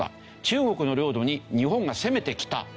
中国の領土に日本が攻めてきた。